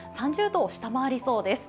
３０度を下回りそうです。